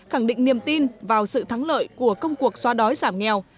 khẳng định niềm tin vào sự thắng lợi của công cuộc xóa đói giảm nghèo